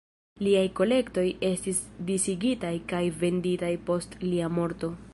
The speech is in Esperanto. Liaj kolektoj estis disigitaj kaj venditaj post lia morto.